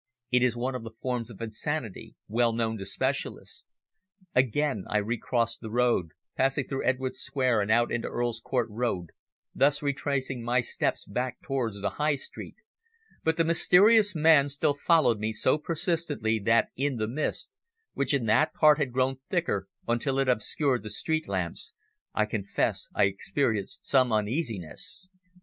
It is one of the forms of insanity well known to specialists. Again I recrossed the road, passing through Edwarde's Square and out into Earl's Court Road, thus retracing my steps back towards the High Street, but the mysterious man still followed me so persistently that in the mist, which in that part had grown thicker until it obscured the street lamps, I confess I experienced some uneasiness.